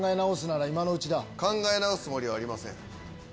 考え直すつもりはありません。